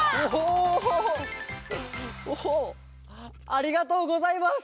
ありがとうございます！